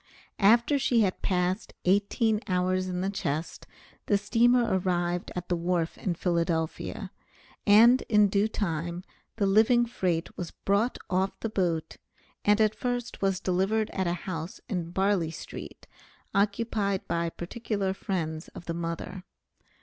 After she had passed eighteen hours in the chest, the steamer arrived at the wharf in Philadelphia, and in due time the living freight was brought off the boat, and at first was delivered at a house in Barley street, occupied by particular friends of the mother.